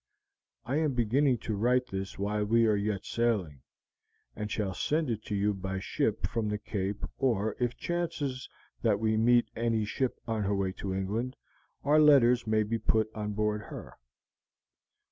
I am beginning to write this while we are yet sailing, and shall send it to you by ship from the Cape, or if it chances that we meet any ship on her way to England, our letters may be put on board her."